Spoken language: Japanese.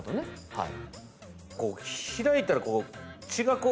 はい。